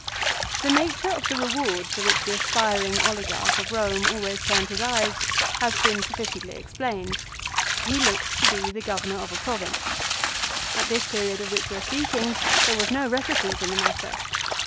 The nature of the reward to which the aspiring oligarch of Rome always turned his eyes has been sufficiently ex plained. He looked to be the governor of a province. At this period of which we are speaking there was no reticence in the matter.